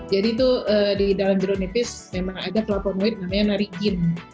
jadi itu di dalam jeruk nipis memang ada telaponoid namanya narigin